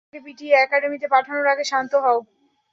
তোমাকে পিটিয়ে একাডেমীতে পাঠানোর আগে শান্ত হও।